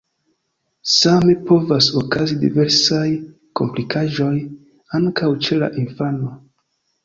Same povas okazi diversaj komplikaĵoj ankaŭ ĉe la infano.